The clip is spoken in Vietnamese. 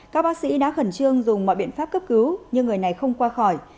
các bác sĩ đã khẩn trương dùng mọi biện pháp cấp cứu nhưng người này không qua khỏi